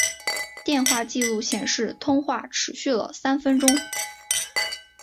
电话记录显示通话持续了三分钟。